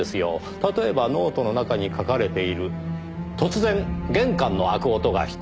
例えばノートの中に書かれている「突然玄関の開く音がした。